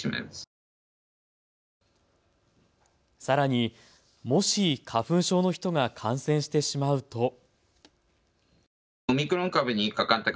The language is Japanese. さらに、もし花粉症の人が感染してしまうと。